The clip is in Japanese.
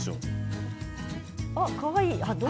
かわいい。